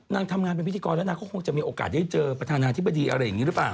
ทำงานเป็นพิธีกรแล้วนางก็คงจะมีโอกาสได้เจอประธานาธิบดีอะไรอย่างนี้หรือเปล่า